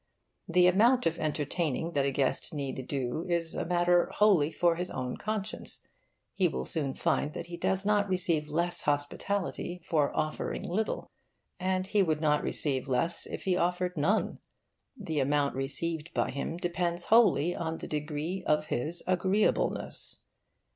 The amount of entertaining that a guest need do is a matter wholly for his own conscience. He will soon find that he does not receive less hospitality for offering little; and he would not receive less if he offered none. The amount received by him depends wholly on the degree of his agreeableness.